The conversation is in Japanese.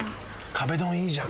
壁ドンいいじゃん。